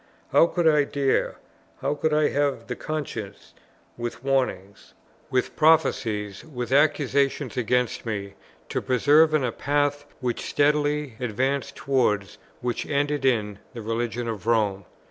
How could I dare, how could I have the conscience, with warnings, with prophecies, with accusations against me, to persevere in a path which steadily advanced towards, which ended in, the religion of Rome?